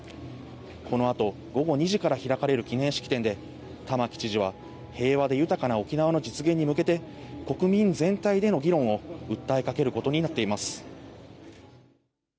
このあと午後２時から開かれる記念式典で玉城知事は平和で豊かな沖縄の実現に向けて国民全体での議論を訴えかけることになっています。